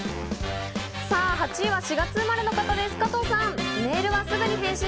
８位は４月生まれの方です、加藤さん。